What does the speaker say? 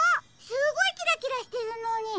すごいキラキラしてるのに。